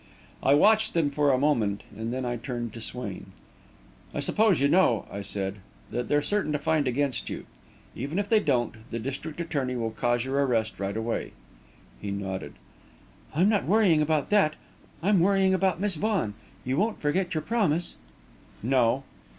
I watched them for a moment, and then I turned to Swain. "I suppose you know," I said, "that they're certain to find against you? Even if they don't, the district attorney will cause your arrest right away." He nodded. "I'm not worrying about that. I'm worrying about Miss Vaughan. You won't forget your promise?" "No."